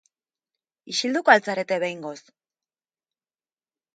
Isilduko al zarete behingoz?